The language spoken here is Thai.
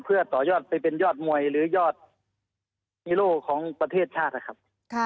เพื่อต่อยอดไปเป็นยอดมวยหรือยอดฮีโร่ของประเทศชาตินะครับ